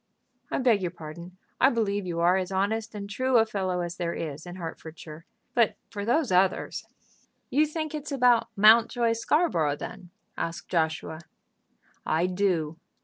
"I beg your pardon. I believe you are as honest and true a fellow as there is in Hertfordshire, but for those others " "You think it's about Mountjoy Scarborough, then?" asked Joshua. "I do.